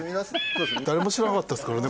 誰も知らなかったですからね